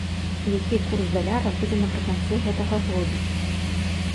Які курс даляра будзе напрыканцы гэтага году?